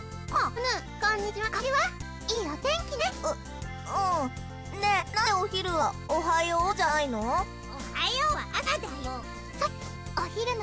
なんでお昼はおはようじゃないの？